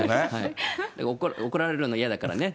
怒られるの嫌だからね。